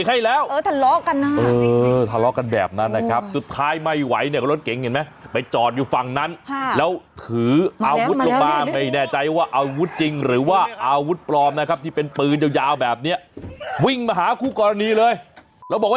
อ้าวทำไมขับรถอย่างนี้อีกฝั่งก็อ้าวแล้วยังไงก็เบียงให้แล้ว